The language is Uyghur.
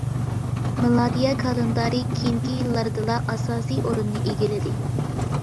مىلادىيە كالېندارى كېيىنكى يىللاردىلا ئاساسىي ئورۇننى ئىگىلىدى.